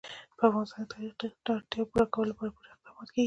په افغانستان کې د تاریخ د اړتیاوو پوره کولو لپاره پوره اقدامات کېږي.